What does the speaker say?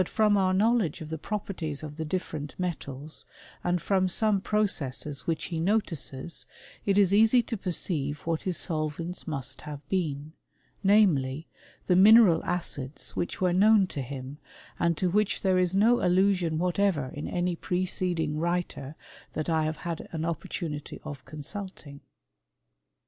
om our knowledge of the properties of the different; metals, and from some processes which he notices, ^it is easy to perceive what his solvents must have beeal^ namely, the mineral acids which were known to hxmf and to wliich there is no allusion whatever in aay* preceding writer that I have had an opportunity <wt consulting.